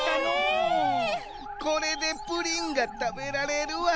これでプリンがたべられるわ。